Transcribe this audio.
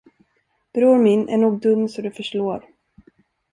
Bror min är nog dum så det förslår.